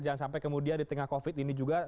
jangan sampai kemudian di tengah covid ini juga